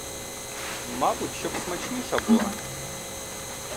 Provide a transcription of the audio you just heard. Мабуть, щоб смачніша була?